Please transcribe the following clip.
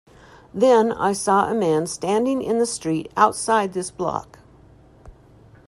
Then I saw a man standing in the street outside this block.